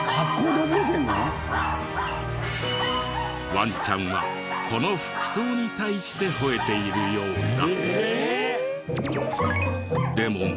ワンちゃんはこの服装に対して吠えているようだ。